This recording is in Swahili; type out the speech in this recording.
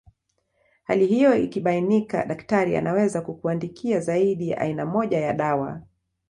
Hali hiyo ikibainika daktari anaweza kukuandikia zaidi ya aina moja ya dawa